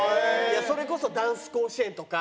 それこそダンス甲子園とか。